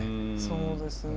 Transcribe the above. そうですね。